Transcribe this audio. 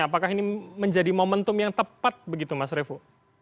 apakah ini menjadi momentum yang tepat begitu mas revo